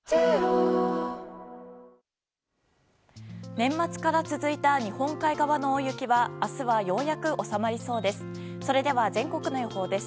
年末から続いた日本海側の大雪は明日はようやく収まりそうです。